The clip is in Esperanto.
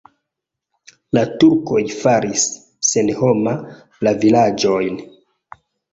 La turkoj faris senhoma la vilaĝojn.